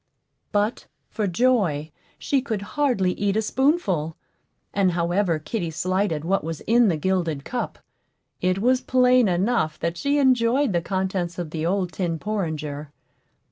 But, for joy, she could hardly eat a spoonful; and however kitty slighted what was in the gilded cup, it was plain enough that she enjoyed the contents of the old tin porringer.